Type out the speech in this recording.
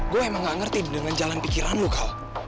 gue emang gak ngerti dengan jalan pikiran lu kal